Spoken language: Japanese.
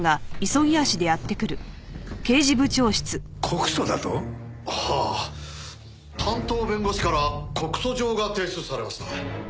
告訴だと？はあ担当弁護士から告訴状が提出されました。